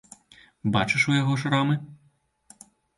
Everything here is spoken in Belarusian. Бачыш у яго шрамы?